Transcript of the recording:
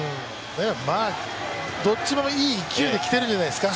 まあ、どっちもいい勢いで来てるじゃないですか。